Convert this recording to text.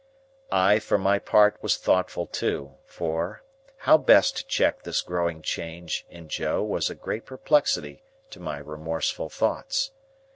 I, for my part, was thoughtful too; for, how best to check this growing change in Joe was a great perplexity to my remorseful thoughts.